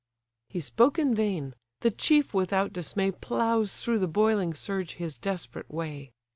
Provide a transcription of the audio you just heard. He spoke in vain—The chief without dismay Ploughs through the boiling surge his desperate way.